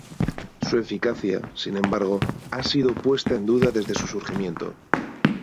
Su eficacia, sin embargo, ha sido puesta en duda desde su surgimiento.